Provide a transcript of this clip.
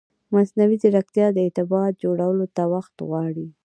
مصنوعي ځیرکتیا د اعتماد جوړولو ته وخت غواړي.